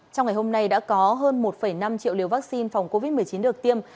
trong ngày hôm nay đã có hơn một năm triệu liều vaccine phòng covid một mươi chín được tiêm